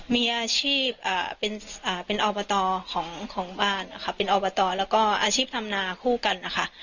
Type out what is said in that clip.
มีอาชีพเป็นอบตของบ้านนะคะเป็นอบตแล้วก็อาชีพธรรมนาคู่กันนะคะ